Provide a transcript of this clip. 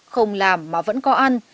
không làm mà vẫn có ăn